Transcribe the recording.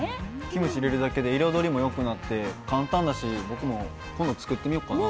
キムチ入れるだけで彩りもよくなって簡単やし、僕も今度作ってみようかな。